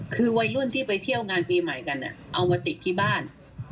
คือวัยรุ่นที่ไปเที่ยวงานปีใหม่กันเอามาติดที่บ้าน